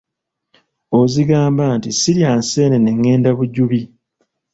Ozigamba nti, “Sirya nseenene ngenda Bujubi.῎